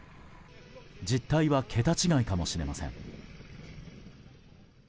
実態は桁違いかもしれません。